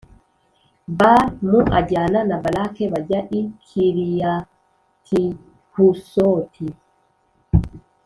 Bal mu ajyana na Balaki bajya i Kiriyatihusoti